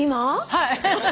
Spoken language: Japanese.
はい。